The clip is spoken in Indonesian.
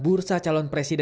beberapa persoalan berantakan